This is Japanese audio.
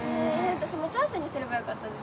私もチャーシューにすればよかったですよ。